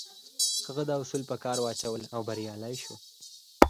هغه دا اصول په کار واچول او بريالی شو.